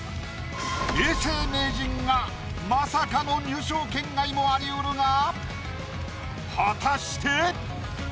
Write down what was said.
永世名人がまさかの入賞圏外もあり得るが果たして？